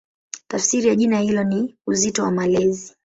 Tafsiri ya jina hilo ni "Uzito wa Malezi".